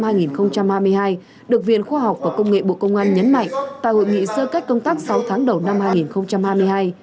trong sáu tháng cuối năm hai nghìn hai mươi hai được viện khoa học và công nghệ bộ công an nhấn mạnh tại hội nghị sơ cách công tác sáu tháng đầu năm hai nghìn hai mươi hai